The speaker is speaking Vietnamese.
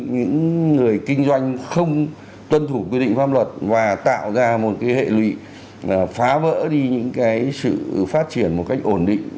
những người kinh doanh không tuân thủ quy định pháp luật và tạo ra một hệ lụy phá vỡ đi những cái sự phát triển một cách ổn định